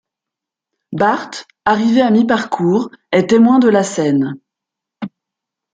Bart, arrivé à mi-parcours, est témoin de la scène.